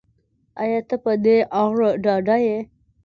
ایا ته په دې اړه ډاډه یې